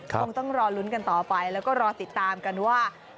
คงต้องรอลุ้นกันต่อไปแล้วก็รอติดตามกันว่า